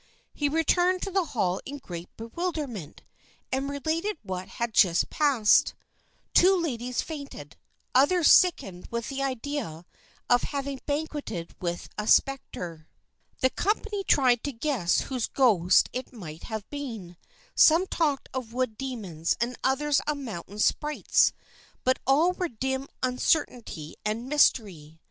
He returned to the hall in great bewilderment, and related what had just passed. Two ladies fainted; others sickened with the idea of having banqueted with a spectre. [Illustration: A TALL FIGURE STOOD AMONG THE SHADOWS OF THE TREES] The company tried to guess whose ghost it might have been. Some talked of wood demons and others of mountain sprites, but all was dim uncertainty and mystery.